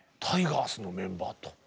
タイガースのメンバーと。